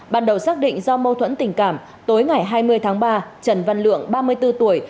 ban đầu xác định do mâu thuẫn tình cảm tối ngày hai mươi tháng ba trần văn lượng ba mươi bốn tuổi